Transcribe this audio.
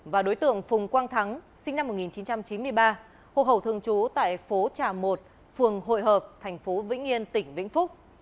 và đối tượng phùng quang thắng sinh năm một nghìn chín trăm chín mươi ba hộ khẩu thường trú tại phố trà một phường hội hợp thành phố vĩnh yên tỉnh vĩnh phúc